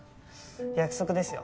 約束ですよ。